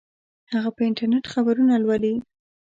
هغه په انټرنیټ خبرونه لولي